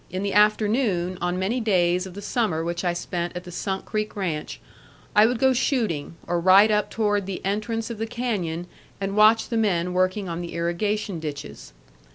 In the afternoon on many days of the summer which I spent at the Sunk Creek Ranch I would go shooting, or ride up toward the entrance of the canyon and watch the men working on the irrigation ditches.